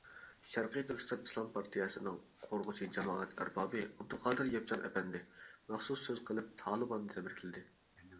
شەرقىي تۈركىستان ئىسلام پارتىيەسىنىڭ قۇرغۇچى جامائەت ئەربابى ئابدۇقادىر ياپچان ئەپەندى، مەخسۇس سۆز قىلىپ تالىباننى تەبرىكلىدى.